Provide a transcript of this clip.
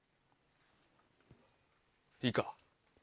いいか？